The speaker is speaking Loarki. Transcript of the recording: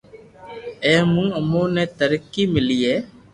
اي مون امون ني ترقي ملئي